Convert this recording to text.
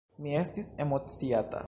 Mi estis emociata.